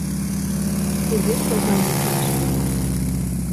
Кузе шога мучаште?!.